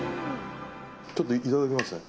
ちょっといただきますね。